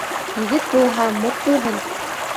Егет булһа мут булһын